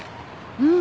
うん。